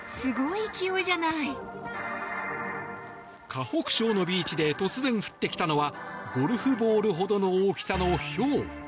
河北省のビーチで突然降ってきたのはゴルフボールほどの大きさのひょう。